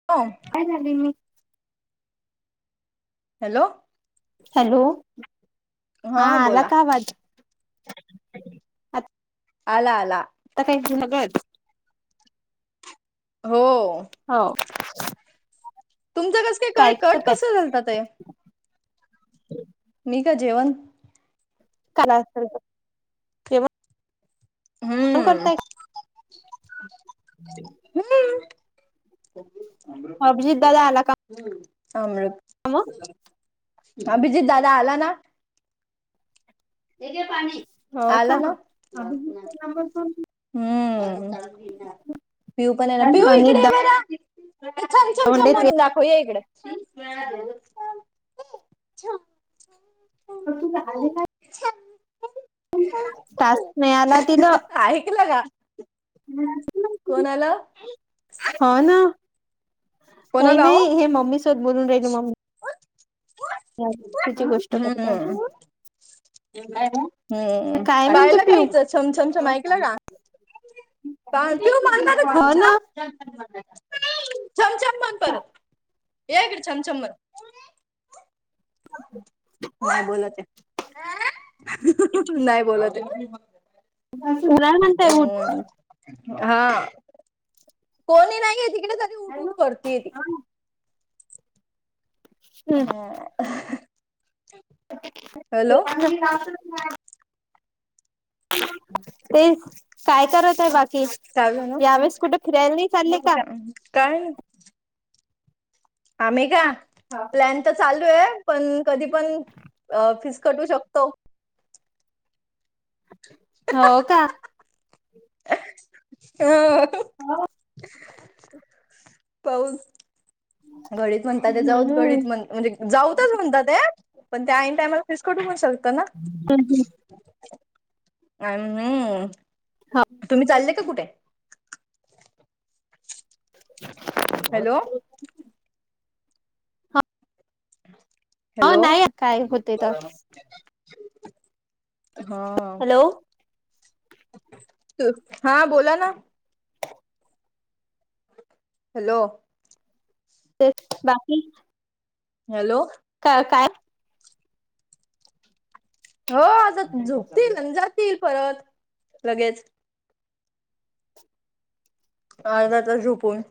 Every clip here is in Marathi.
बर काय झाली मी हॅलो हॅलो हा अला काआवाज अला अला आ काही झगत हो हो तुमचं कसं काय क कट कस झालतात ते नी का जेवंत कला अस करताय ह हम् ह अभिजित दादा आला का अमृत मग अभिजीतदादा आला ना तेे पाणी हो आला का लाव हम्म पिऊ पण आहे ना पिऊ आणि इकडे आहे बरा छमछम छम दवंडे मरून दाखव या इकडें [unintelligible] प तुझं आहे काय. टास्क नाही आला ऐकलं का. हम्. कोणा आला. हा ना नाही कोणाला हो नाही हे मम्मी सोत बोलून राहिल मम्मी. तिची गोष्ट करताय हम्म. हम्म काय म्हणते पायलं का पिऊ इचं छमछमछम ऐकलं का. प मणारच्या हो ना छम छम. चमचमण परत हेगड चमचमण. नाही बोलते नाही बोलत. [unintelligible] अ हा कोणी नाही. तरी उठ उठ करतेय ती. उठ हा. [unintelligible] हॅलो याच्यात घरी राहतच नाही. [inaudible] तेच काय करत आहे बाकी काय झालं? यावेस कुठे फिरायला नाही चालले का. काय. आम्ही का का प्लॅन तर चालू आहे पण कधी पण फीस कटू शकतो. हो का. हा. [unintelligible] हा. [inaudible] पाऊस. घडीत म्हणतात ते जाऊच हम्म घडीत म्हण म्हणजे. जाऊ पण म्हणतात ते पण आईन टायमाला फेस कटू शकतं ना. ह ह. अ हम्म हो तुम्ही चालले का कुठे. हॅलो [unintelligible] हो हॅलो नाही काय होते तर हा. हो. हा बोला ना. हॅलो. ते बाकी. हॅलो. का काय. हो आ झोपतील आणि जातील परत लगेच. अर्धा त झोपून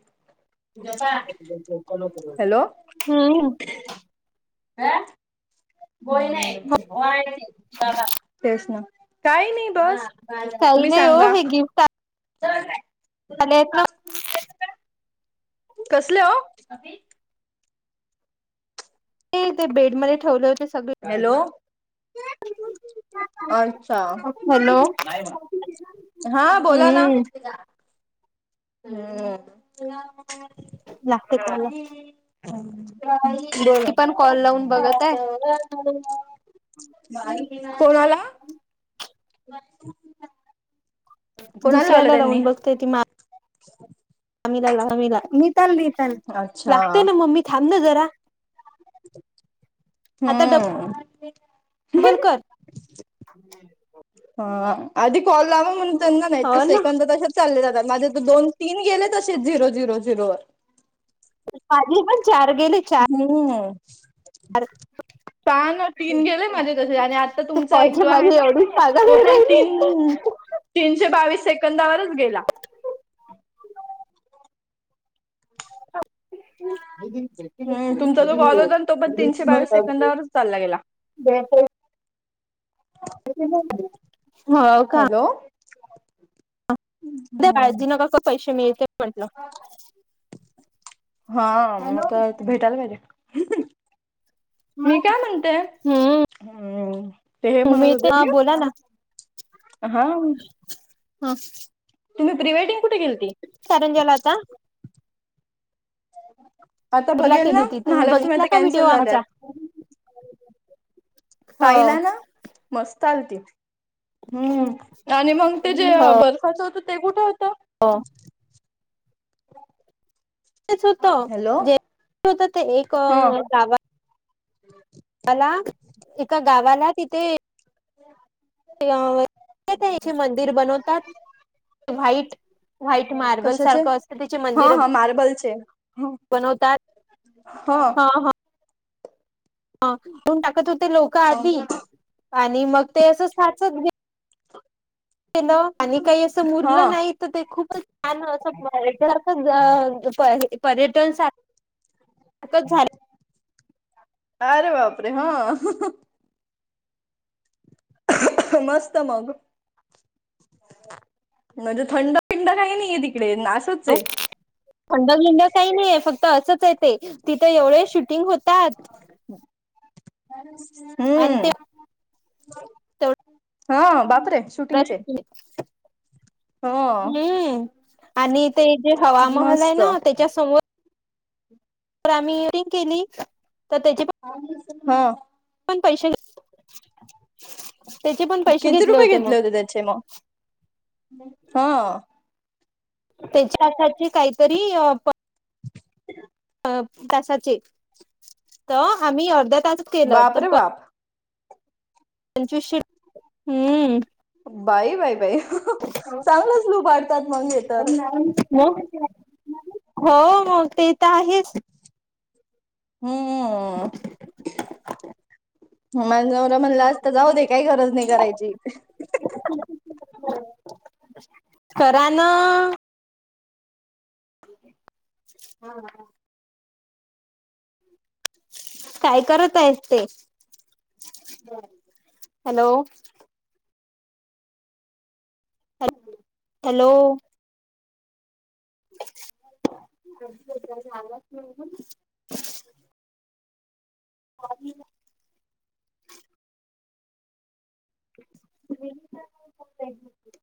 हॅलो. हम्म. ह बही नाहीबा प्रषणतेच ना. काही नाही बस काही तुम्ही नाही हो सांगा. हे गिफ्ट आले आहेत ना [unintelligible] कसले हो. ते ते बेडमध्येध्ये ठेवलं होते. सगळे हॅलो. [unintelligible] अच्छा. हॅलो हा बोला ना. हम्म [inaudible] हम् लागते कॉल ह. ती पण कॉल लावून बघत आहे [unintelligible] [unintelligible] [unintelligible] कोणाला. कोणाला लावलं दुसऱ्याला त्यांनी लावून बघतेय ती मा आलाला मिताल मिताल अच्छा लागतय ना मम्मी थांब ना जरा हा बलकर हा आधी कॉल लावा म्हणून त्यांना नाही हो तर ना सेकंद त चालले माझे तर दोन तीन गेले तसेच झिरो झिरो झिरो ववर पाजी पण चार गेले चार हो [inaudible] पना तीन गेले माझे तसे आणि आता ते तुमचा एक कॉलच्या जो आहे मागे ना एवढीच पागल तो होऊन पण राहिली. तीन तीनशे बावीस सेकंदावरच गेला [inaudible] हम्म तुमचा जो कॉल होता तो पण तीनशे [inaudible] बावीस सेकंदावरच चालला गेला [inaudible] हो का हॅलो हम्म काळजी नको करू पैसे मिळते म्हंटलं हा मग भेटायला पाहिजे मी काय म्हणतेय हम्म हम् ते हे म्हणत होते मिळते हा र बोला ना हा हा तुम् प्री वेडंग कुठे केल्ती तररंजला आता आता टूरला बघेल केली ना होती तुम्ही महालक्ष्मी बघितला आता का व्हिडिओ कॅन्सल झाल्यात आमचा? हो पाहिला ना मस्त आल त हम्म आणि मग ते जे हो बर्फाचं होतं ते कुठे होतं हो होत हॅलो जे होत ते एका हा ला एका गावाला तिथे [inaudible] मंदिर बनवतात व्हाईट व्हाईट मार्बल सारखं असतं त्याचे मंदिर मार्बल बनवतात हा हा हा म्हून टाकत होते लोक आधी आणि मग ते असं साचत आणि काही असं हा मुरलं नाही तर ते खूपच छान असंसारखं पर्यटन झाले अरे बापरे हा मस्त मग म्हणजे थंडपिंड काही नाही आहे तिकडे नासूच आहे अंड भंड काही नाहीय फक्त असंच य ते तिथं एवढे शूटिंग होतात आणि ते हम्म हा बापरे शूटिंगचे प्रश्न ह हम्म आणि ते जे हवामहल आहे मस्त ना त्याच्या समोर तर आम्हीिंग केली तर त्याची हो पण पैसे त्याचे पण पैसे घेतले होते मग म हा त्याच्या काहीतरी अ आ अ वापरे वाप पंचवीशे हम्म बाई बाई बाई अच्ा चांगलंच लुबाडतात मग हे तर. ना म हो मग ते तर आहेच हम्मम्म माझ नवररा म्हणला असत जाऊ दे काही गरज नाही करायची खरा ना हा हा काय करत आहेस ते हॅलो हॅलो अ झालाच नाही ह [inaudible]